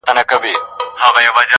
ولې دې رنګ زیړ شو خــورو زلفو ته